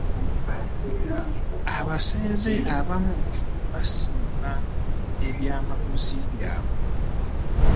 Abasenze abamu basiima ebyamaguzi by'abantu.